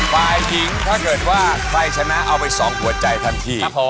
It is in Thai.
ฝ่ายหญิงถ้าเกิดว่าใครชนะเอาไป๒หัวใจทันที